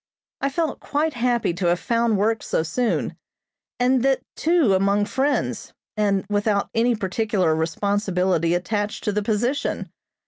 I felt quite happy to have found work so soon, and that too among friends, and without any particular responsibility attached to the position.